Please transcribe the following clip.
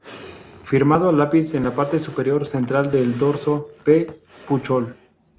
Firmado a lápiz, en la parte superior central del dorso "P. Puchol".